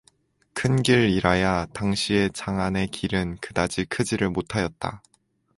큰길이라야 당시의 장안의 길은 그다지 크지를 못하였다.